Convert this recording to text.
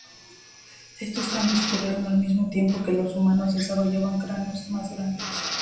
Estos cambios ocurrieron al mismo tiempo que los humanos desarrollaban cráneos más grandes.